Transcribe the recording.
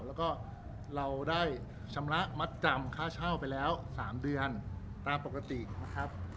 แล้วก็เราได้ชำระมัดจำค่าเช่าไปแล้ว๓เดือนตามปกตินะครับ